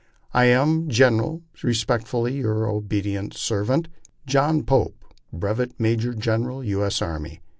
I am, General, respectfully your obedient servant, JOHN POPE, Brevet Major General U. S. Army.